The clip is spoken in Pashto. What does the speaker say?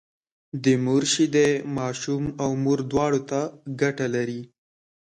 د مور شيدې ماشوم او مور دواړو ته ګټه لري